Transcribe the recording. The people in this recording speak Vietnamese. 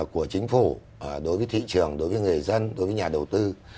của chính phủ đối với thị trường đối với người dân đối với nhà đầu tư